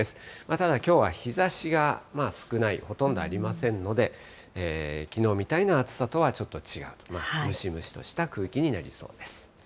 ただきょうは日ざしがまあ少ない、ほとんどありませんので、きのうみたいな暑さとはちょっと違う、ムシムシとした空気になりそうです。